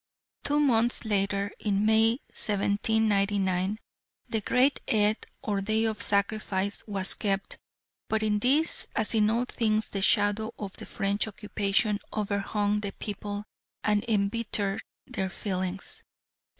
Two months later, in May, 1799, the great Eed, or day of sacrifice, was kept, but in this as in all things the shadow of the French occupation overhung the people and embittered their feelings.